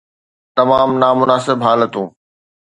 تمام نامناسب حالتون